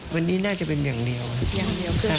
วันนี้น่าจะเป็นอย่างเหลี่ยวแหละ